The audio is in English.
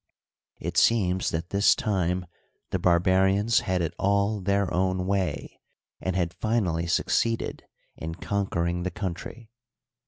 It seems that this time the bar barians had it an their own way, and had finally succeeded in conquering the country.